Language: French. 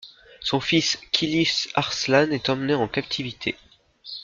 Son fils Kiliç Arslan est emmené en captivité.